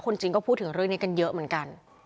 จริงก็พูดถึงเรื่องนี้กันเยอะเหมือนกัน